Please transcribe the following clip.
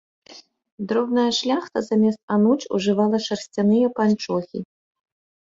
Дробная шляхта замест ануч ужывала шарсцяныя панчохі.